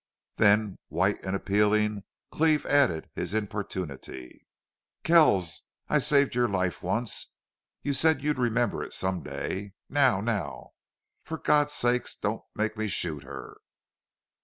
Then, white and appealing, Cleve added his importunity. "Kells, I saved your life once. You said you'd remember it some day. Now now!... For God's sake don't make me shoot her!"